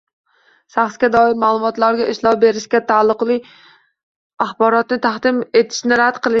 Shaxsga doir ma’lumotlarga ishlov berishga taalluqli axborotni taqdim etishni rad qilish